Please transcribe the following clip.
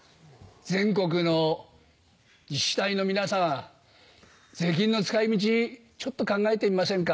全国の自治体の皆様税金の使い道ちょっと考えてみませんか。